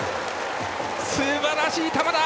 すばらしい球だ！